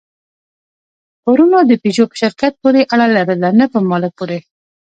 پورونو د پيژو په شرکت پورې اړه لرله، نه په مالک پورې.